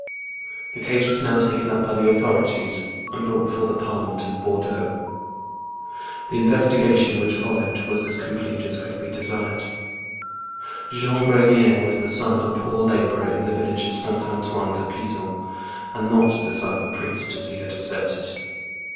The case was now taken up by the 92 THE BOOK OF WEEE WOLVES. authorities and brought before the parliament of Bor deaux. The investigation which followed was as complete as could be desired. Jean Grenier was the son of a poor labourer in the village of S. Antoine de Pizon, and not the son of a priest, as he had asserted.